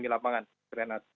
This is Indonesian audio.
di lapangan mas prenhat